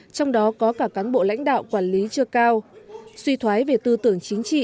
trong đó có cả cán bộ lãnh đạo quản lý chưa cao suy thoái về tư tưởng chính trị